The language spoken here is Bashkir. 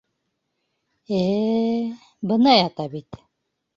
Ә-ә, бына ята бит.